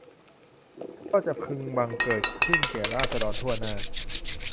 ก็จะพึงบังเกิดขึ้นแก่ราษฎรถ้วนหน้า